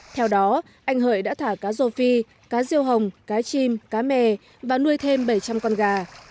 theo đó anh hợi đã thả cá rô phi cá riêu hồng cá chim cá mè và nuôi thêm bảy trăm linh con gà